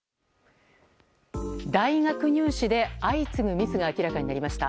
大学入試で相次ぐミスが明らかになりました。